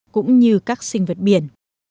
cũng như các sinh vật biển